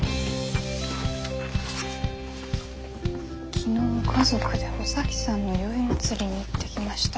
「昨日家族でおさきさんの宵祭りに行ってきました。